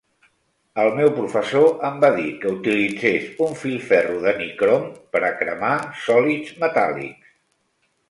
El meu professor em va dir que utilitzés un filferro de nicrom per a cremar sòlids metàl·lics.